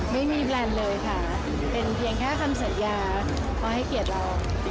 ไม่มีแบรนด์เลยค่ะเป็นเพียงแค่คำสัญญาเขาให้เกียรติเรา